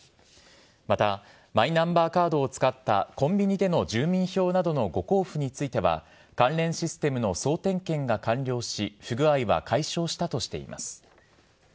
また、マイナンバーカードを使ったコンビニでの住民票などの誤交付については、関連システムの総点検が完了し、不具合は解消したとしています。